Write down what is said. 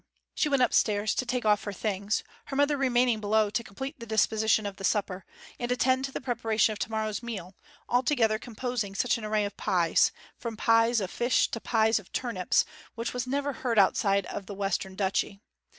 She went upstairs to take off her things, her mother remaining below to complete the disposition of the supper, and attend to the preparation of tomorrow's meal, altogether composing such an array of pies, from pies of fish to pies of turnips, as was never heard of outside the Western Duchy.